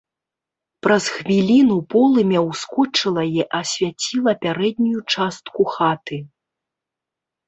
Праз хвіліну полымя ўскочыла і асвяціла пярэднюю частку хаты.